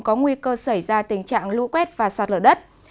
có nguy cơ xảy ra tình trạng lũ quét và sạt lở đất